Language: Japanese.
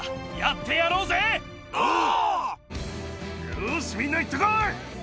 よしみんないってこい！